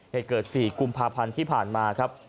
เหตุเกิด๔กุมภาพันธ์ที่ผ่านมาครับ